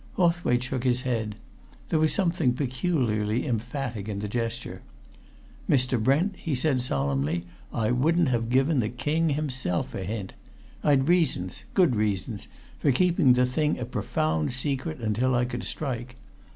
Hawthwaite shook his head. There was something peculiarly emphatic in the gesture. "Mr. Brent," he said solemnly. "I wouldn't have given the King himself a hint! I'd reasons good reasons for keeping the thing a profound secret until I could strike.